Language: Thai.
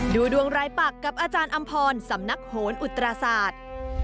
ดูดวงรายปักกับอาจารย์อำพรสำนักโหนอุตราศาสตร์